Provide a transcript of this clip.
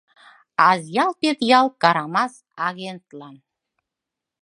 Азъял-Петъял — Карамас агентлан.